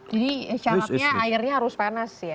jadi calonnya airnya harus panas ya